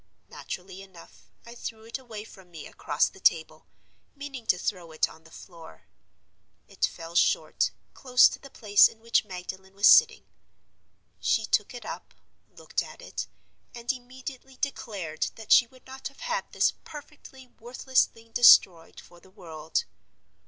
Naturally enough, I threw it away from me across the table, meaning to throw it on the floor. It fell short, close to the place in which Magdalen was sitting. She took it up, looked at it, and immediately declared that she would not have had this perfectly worthless thing destroyed for the world.